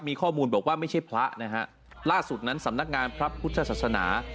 มีข้อมูลบอกว่าไม่ใช่พระนะฮะล่าสุดนั้นสำนักงานพระพุทธศาสนา